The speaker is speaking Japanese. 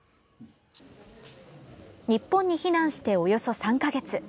日本に避難して、およそ３か月。